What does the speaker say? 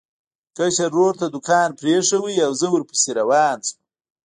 کشر ورور ته دوکان پرېښود او زه ورپسې روان شوم.